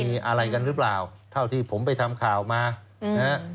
มีอะไรกันหรือเปล่าเท่าที่ผมไปทำข่าวมานะฮะ